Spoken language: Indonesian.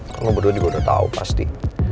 kan lo berdua juga udah tau pasti